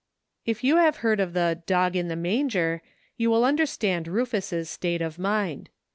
If you have heard of the "dog in the manger" you will understand Rufus's state of mind.